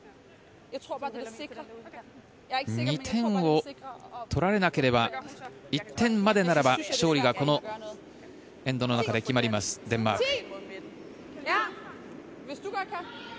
２点を取られなければ１点までならば勝利がこのエンドの中で決まりますデンマーク。